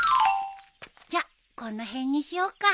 じゃあこの辺にしようか。